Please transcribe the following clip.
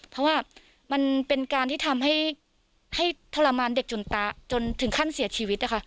เพราะว่ามันเป็นการที่ทำให้ทรมานเด็กจนตาจนถึงขั้นเสียชีวิตนะคะ